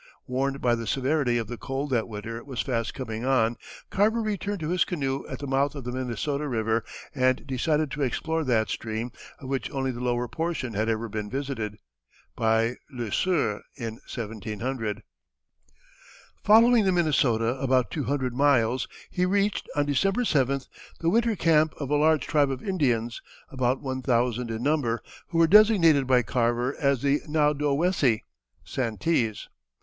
Warned by the severity of the cold that winter was fast coming on, Carver returned to his canoe at the mouth of the Minnesota River and decided to explore that stream, of which only the lower portion had ever been visited by Le Sueur in 1700. Following the Minnesota about two hundred miles he reached, on December 7th, the winter camp of a large tribe of Indians, about one thousand in number, who were designated by Carver as the Naudowessie (Santees).